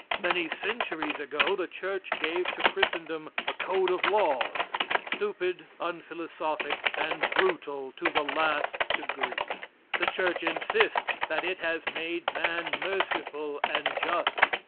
Many centuries ago the church gave to Christendom a code of laws, stupid, unphilosophic and brutal to the last degree. The church insists that it has made man merciful and just.